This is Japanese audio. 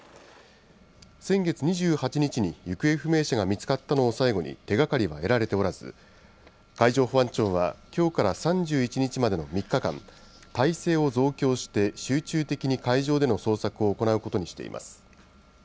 先月２８日に、行方不明者が見つかったのを最後に手がかりは得られておらず、海上保安庁はきょうから３１日までの３日間、態勢を増強して集中的に海上での捜索を行うことにしています。